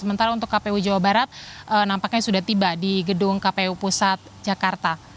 sementara untuk kpu jawa barat nampaknya sudah tiba di gedung kpu pusat jakarta